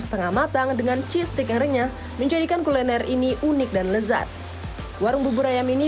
setengah matang dengan cistik renyah menjadikan kuliner ini unik dan lezat warung bubur ayam ini